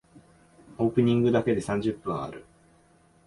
オープニングだけで三十分ある。